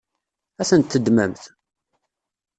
Ad tent-teddmemt?